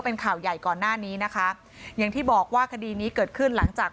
เป็นข่าวใหญ่ก่อนหน้านี้นะคะอย่างที่บอกว่าคดีนี้เกิดขึ้นหลังจาก